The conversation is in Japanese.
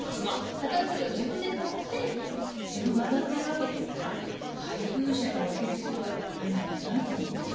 宝くじを自分で買って自分が当たってるわけですから配偶者に分ける必要はないんじゃないかなと思います。